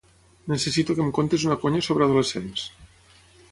Necessito que em contis una conya sobre adolescents.